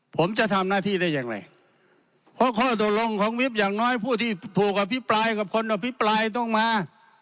ผมจะทำหน้าที่ได้อย่างไรเพราะข้อตกลงของวิบอย่างน้อยผู้ที่ถูกอภิปรายกับคนอภิปรายต้องมา